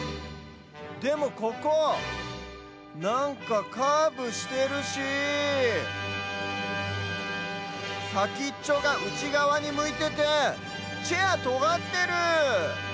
でもここなんかカーブしてるしさきっちょがうちがわにむいててチェアとがってる！